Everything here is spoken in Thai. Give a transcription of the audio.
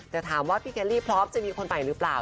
แต่ถามว่าพี่เคลลี่พร้อมจะมีคนใหม่หรือเปล่า